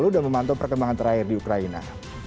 dan memantau perkembangan terakhir di ukraina